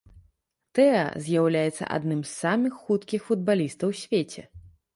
Тэа з'яўляецца адным з самых хуткіх футбалістаў у свеце.